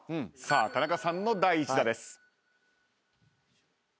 田中さんの第１打です。